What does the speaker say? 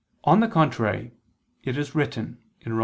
On the contrary, It is written (Rom.